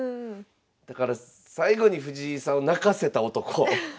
だから最後に藤井さんを泣かせた男。